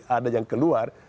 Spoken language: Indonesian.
ada yang keluar